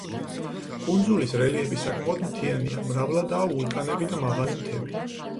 კუნძულის რელიეფი საკმაოდ მთიანია, მრავლადაა ვულკანები და მაღალი მთები.